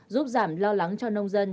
giúp giảm lo lắng cho nông dân